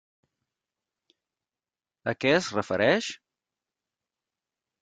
A què es refereix?